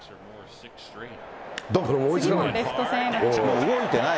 これも追いつかない。